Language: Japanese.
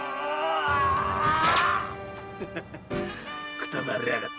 くたばりやがった。